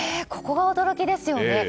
ここが驚きですよね。